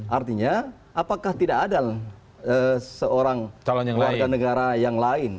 artinya apakah tidak ada seorang warga negara yang lain